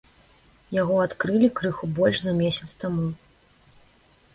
Яго адкрылі крыху больш за месяц таму.